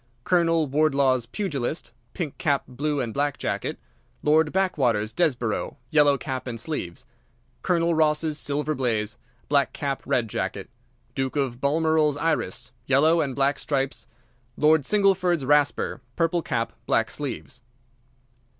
2. Colonel Wardlaw's Pugilist (pink cap, blue and black jacket). 3. Lord Backwater's Desborough (yellow cap and sleeves). 4. Colonel Ross's Silver Blaze (black cap, red jacket). 5. Duke of Balmoral's Iris (yellow and black stripes). 6. Lord Singleford's Rasper (purple cap, black sleeves).